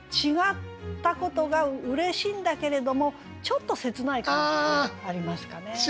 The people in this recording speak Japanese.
違ったことがうれしいんだけれどもちょっと切ない感じもありますかね。